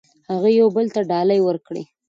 هغوی یو بل ته ډالۍ ورکړې.